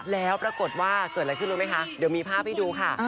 แล้วปรากฏว่าเกิดอะไรขึ้นรู้ไหมคะเดี๋ยวมีภาพให้ดูค่ะ